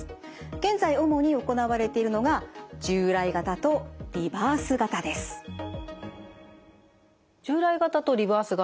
現在主に行われているのが従来型とリバース型。